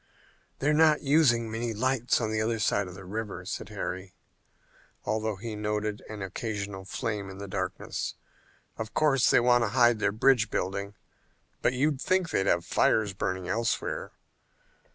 "They're not using many lights on the other side of the river," said Harry, although he noted an occasional flame in the darkness. "Of course, they want to hide their bridge building, but you'd think they'd have fires burning elsewhere."